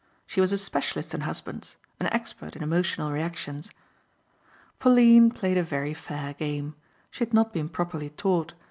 She was a specialist in husbands, an expert in emotional reactions. Pauline played a very fair game. She had not been properly taught.